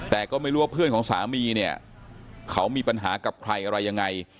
แต่ก็ไม่รู้ว่าเพื่อนของสามีเนี่ยเขามีปัญหากับใครอะไรยังไง